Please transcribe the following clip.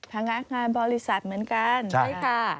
พนักงานบริษัทเหมือนกันใช่ค่ะ